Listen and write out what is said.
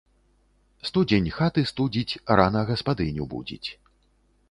Студзень хаты студзіць, рана гаспадыню будзіць